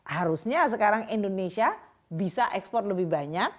harusnya sekarang indonesia bisa ekspor lebih banyak